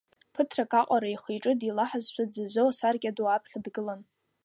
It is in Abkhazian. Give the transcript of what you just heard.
Ԥыҭрак аҟара ихы-иҿы деилаҳазшәа дзазо асаркьа ду аԥхьа дгылан.